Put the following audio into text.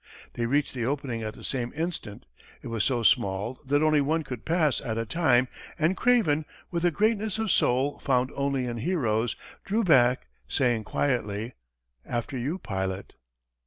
They reached the opening at the same instant; it was so small that only one could pass at a time, and Craven, with a greatness of soul found only in heroes, drew back, saying quietly, "After you, pilot."